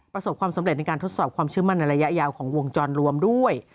ประสบความสำเร็จในการทดสอบความเชื่อมั่นในระยะยาวของวงจรรวมด้วย